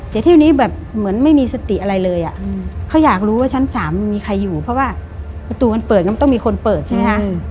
แต่เที่ยวนี้แบบเหมือนไม่มีสติอะไรเลยเขาอยากรู้ว่าชั้น๓มันมีใครอยู่เพราะว่าประตูมันเปิดก็ต้องมีคนเปิดใช่ไหมคะ